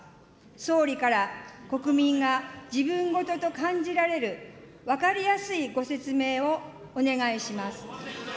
総理から、国民が自分ごとと感じられる、分かりやすいご説明をお願いします。